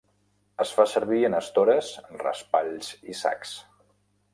Es fa servir en estores, raspalls i sacs.